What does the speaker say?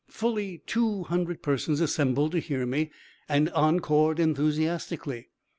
Fully two hundred persons assembled to hear me, and encored enthusiastically.